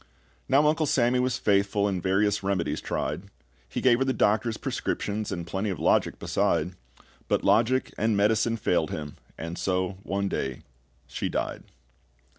Now Uncle Sammy was faithful, And various remedies tried; He gave her the doctor's prescriptions, And plenty of logic beside; But logic and medicine failed him, and so one day she died.